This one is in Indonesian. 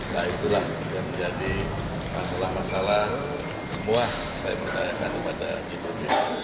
nah itulah yang menjadi masalah masalah semua saya menanyakan kepada dpr